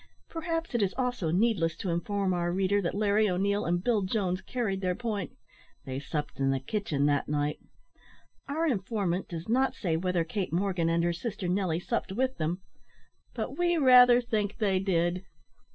Perhaps it is also needless to inform our reader that Larry O'Neil and Bill Jones carried their point. They supped in the kitchen that night. Our informant does not say whether Kate Morgan and her sister Nelly supped with them but we rather think they did.